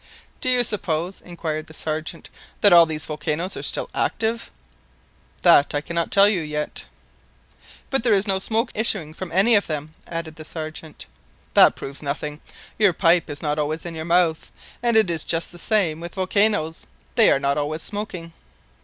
"Do you suppose," inquired the Sergeant, "that all these volcanoes are still active?" "That I cannot tell you yet." "But there is no smoke issuing from any of them," added the Sergeant. "That proves nothing; your pipe is not always in your mouth, and it is just the same with volcanoes, they are not always smoking."